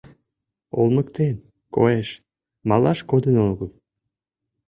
Олмыктен, коеш, малаш кодын огыл...